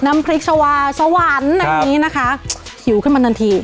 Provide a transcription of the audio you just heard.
น้ำพริกชาวาสวรรค์อันนี้นะคะหิวขึ้นมาทันที